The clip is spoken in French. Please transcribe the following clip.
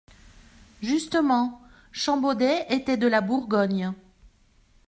Justement, Champbaudet était de la Bourgogne.